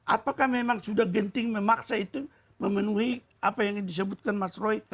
apakah memang sudah genting memaksa itu memenuhi apa yang disebutkan mas roy